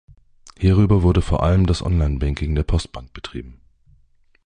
Hierüber wurde vor allem das Online-Banking der Postbank betrieben.